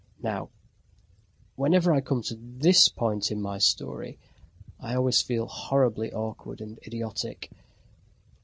Now, whenever I come to this point in my story, I always feel horribly awkward and idiotic.